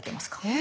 え？